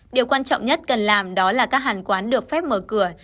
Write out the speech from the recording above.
điều quan trọng nhất cần làm đó là các hàng quán được phép mở cửa